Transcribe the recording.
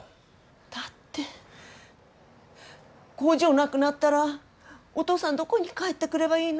だって工場なくなったらおとうさんどこに帰ってくればいいの？